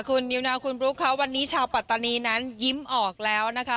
คุณนิวนาวคุณบลุ๊กค่ะวันนี้ชาวปัตตานีนั้นยิ้มออกแล้วนะคะ